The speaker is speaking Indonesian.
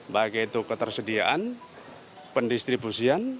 baik itu ketersediaan pendistribusian